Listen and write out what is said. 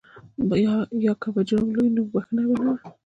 یا که به جرم لوی و نو بخښنه نه وه.